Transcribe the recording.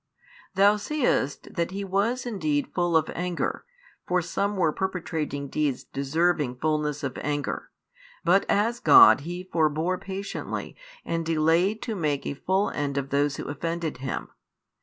Thou seest that He was |10 indeed full of anger, for some were perpetrating deeds deserving fulness of anger, but as God He forbore patiently and delayed to make a full end of those who offended Him.